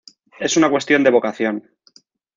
Es una cuestión de vocación".